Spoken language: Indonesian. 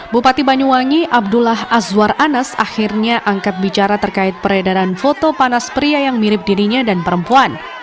bupati banyuwangi abdullah azwar anas akhirnya angkat bicara terkait peredaran foto panas pria yang mirip dirinya dan perempuan